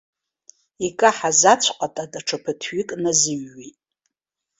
Икаҳаз ацә-ҟата даҽа ԥыҭҩык назыҩит.